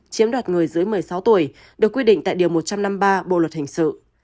chiếm đoạt người dưới một mươi sáu tuổi được quy định tại điều một trăm năm mươi ba bộ luật hình sự